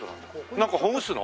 なんかほぐすの？